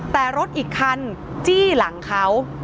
แต่รถอีกคันจี้หลังเขา